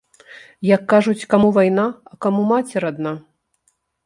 Як кажуць, каму вайна, а каму маці радна.